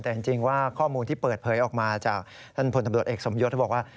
แต่จริงว่าข้อมูลที่เปิดเผยออกมาจากท่านพลตำรวจเอกสมยศบอกว่า